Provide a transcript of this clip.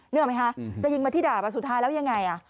นึกออกไหมคะจะยิงมาที่ดาบสุดท้ายแล้วยังไง